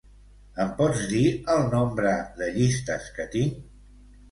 Em pots dir el nombre de llistes que tinc?